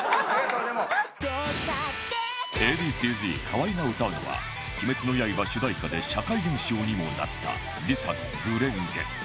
Ａ．Ｂ．Ｃ−Ｚ 河合が歌うのは『鬼滅の刃』主題歌で社会現象にもなった ＬｉＳＡ の『紅蓮華』